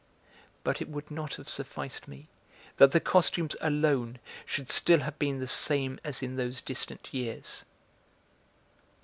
But it would not have sufficed me that the costumes alone should still have been the same as in those distant years.